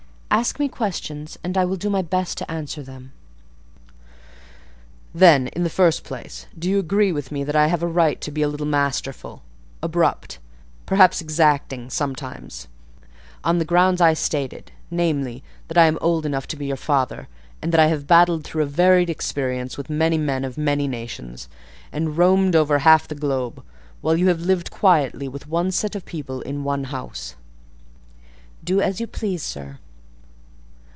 Ask me questions, and I will do my best to answer them." "Then, in the first place, do you agree with me that I have a right to be a little masterful, abrupt, perhaps exacting, sometimes, on the grounds I stated, namely, that I am old enough to be your father, and that I have battled through a varied experience with many men of many nations, and roamed over half the globe, while you have lived quietly with one set of people in one house?" "Do as you please, sir."